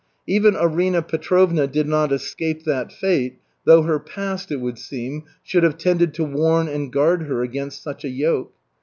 Even Arina Petrovna did not escape that fate, though her past, it would seem, should have tended to warn and guard her against such a yoke.